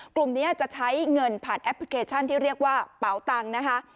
กลุ่มนี้จะใช้เงินผ่านแอปพลิเคชันที่เรียกว่าเป๋าตังค์นะคะ